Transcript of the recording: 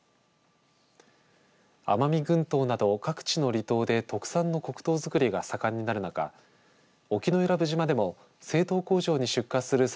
奄美群島など各地の離島で特産の黒糖作りが盛んになる中沖永良部島でも製糖工場に出荷するさ